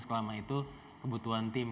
sekalian itu kebutuhan tim